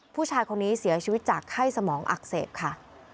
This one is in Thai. ผู้ชายคนนี้เสียชีวิตจากไข้สมองอักเสบค่ะ